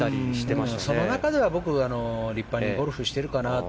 その中では立派にゴルフしてるかなと。